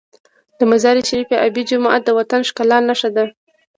د مزار شریف آبي جومات د وطن د ښکلا نښه ده.